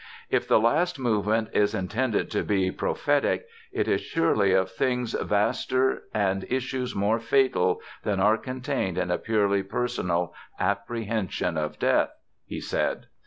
"If the last movement is intended to be prophetic, it is surely of things vaster and issues more fatal than are contained in a purely personal apprehension of death," he said.